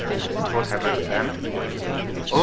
"What happened then?" "Oh!